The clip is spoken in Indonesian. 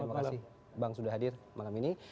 terima kasih bang sudah hadir malam ini